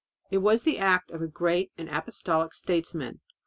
It was the act of a great and apostolic statesman.